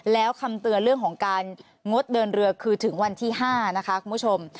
แล้วคำเตือนเรื่องของการงดเดินเรือคือถึงวันที่๕นะคะคุณผู้ชม